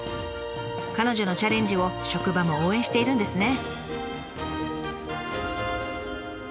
彼女のチャレンジを職場も応援しているんですね。